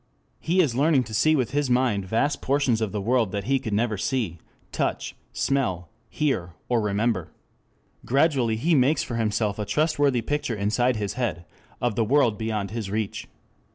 He is learning to see with his mind vast portions of the world that he could never see, touch, smell, hear, or remember. Gradually he makes for himself a trustworthy picture inside his head of the world beyond his reach.